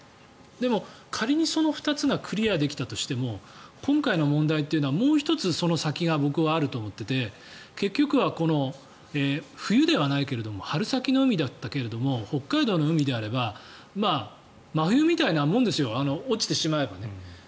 でも、仮にその２つがクリアできたとしても今回の問題というのはもう１つその先が僕はあると思っていて結局は冬ではないけども春先の海だったけれども北海道の海であれば真冬みたいなもんですよ落ちてしまえば。